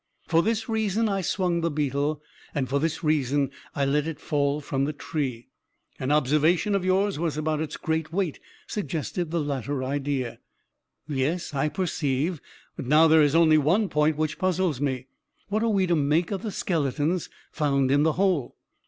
For this reason I swung the beetle, and for this reason I let it fall from the tree. An observation of yours about its great weight suggested the latter idea." "Yes, I perceive; and now there is only one point which puzzles me. What are we to make of the skeletons found in the hole?"